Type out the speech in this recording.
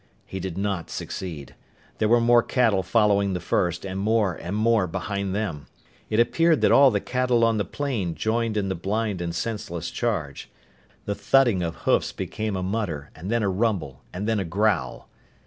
He did not succeed. There were more cattle following the first, and more and more behind them. It appeared that all the cattle on the plain joined in the blind and senseless charge. The thudding of hoofs became a mutter and then a rumble and then a growl.